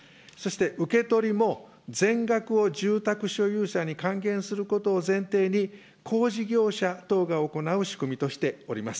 そして受け取りも全額を住宅所有者に還元することを前提に、工事業者等が行う仕組みとしております。